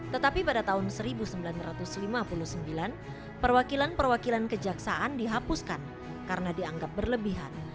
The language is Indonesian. tetapi pada tahun seribu sembilan ratus lima puluh sembilan perwakilan perwakilan kejaksaan dihapuskan karena dianggap berlebihan